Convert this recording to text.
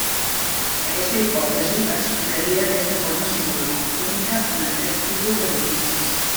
Aquesta hipòtesi explicaria aquesta forma singular, única en aquest tipus d'edificis.